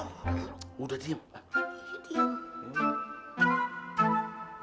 kok tib statistically jadi sepi sih